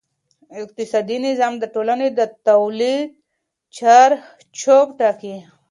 اقتصادي نظام د ټولنې د تولید چارچوب ټاکي.